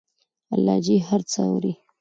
الله ج هر څه اوري